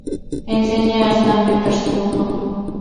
Enseña en San Petersburgo.